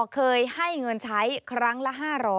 เคยให้เงินใช้ครั้งละ๕๐๐